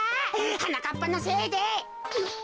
はなかっぱのせいで。